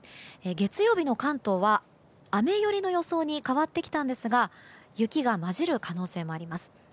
月曜日の関東は、雨寄りの予想に変わってきたんですが雪が交じる可能性もあります。